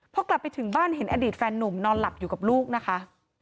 พอกลับไปถึงบ้านเห็นอดีตแฟนนุ่มนอนหลับอยู่กับลูกนะคะ